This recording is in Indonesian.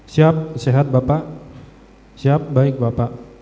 siap sehat bapak siap baik bapak